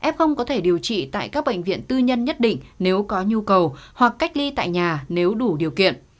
f có thể điều trị tại các bệnh viện tư nhân nhất định nếu có nhu cầu hoặc cách ly tại nhà nếu đủ điều kiện